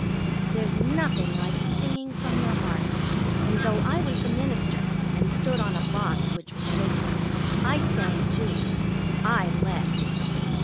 There's nothing like singing from your heart, and, though I was the minister and stood on a box which was shaky, I sang, too. I led.